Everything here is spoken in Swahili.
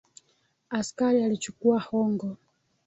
Askari alichukua hongo.